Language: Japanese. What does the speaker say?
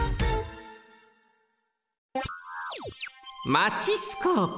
マチスコープ。